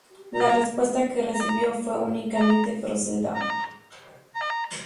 La respuesta que recibió fue únicamente "proceda".